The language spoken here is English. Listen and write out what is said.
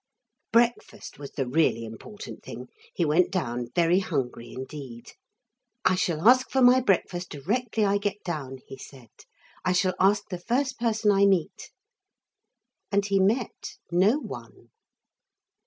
Breakfast was the really important thing. He went down very hungry indeed. 'I shall ask for my breakfast directly I get down,' he said. 'I shall ask the first person I meet.' And he met no one.